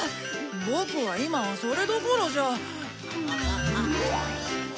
ボクは今それどころじゃ。